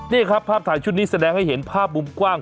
นี่ครับภาพถ่ายชุดนี้แสดงให้เห็นภาพมุมกว้าง